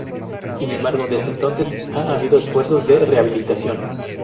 Sin embargo, desde entonces, ha habido esfuerzos de rehabilitación.